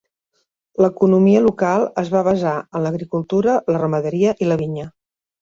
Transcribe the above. L'economia local es va basar en l'agricultura la ramaderia i la vinya.